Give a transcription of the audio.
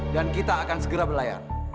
dan kita akan segera berlayar